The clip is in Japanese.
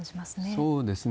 そうですね。